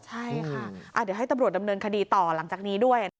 ใช่ค่ะเดี๋ยวให้ตำรวจดำเนินคดีต่อหลังจากนี้ด้วยนะคะ